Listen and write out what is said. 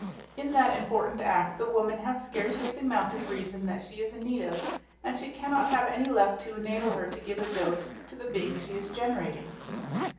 In that important act the woman has scarcely the amount of reason that she is in need of, and she cannot have any left to enable her to give a dose to the being she is generating."